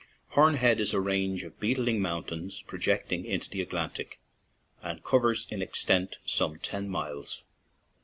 Horn Head is a range of beetling mountains projecting into the Atlantic, and covers in extent some ten miles.